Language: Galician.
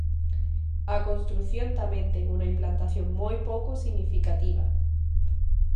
A construción tamén ten unha implantación moi pouco significativa.